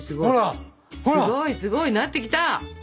すごいすごいなってきた！